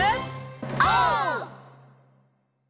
オー！